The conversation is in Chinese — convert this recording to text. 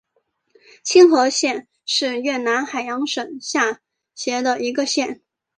青河县是越南海阳省下辖的一个县。